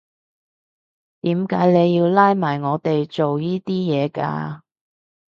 點解你要拉埋我哋做依啲嘢呀？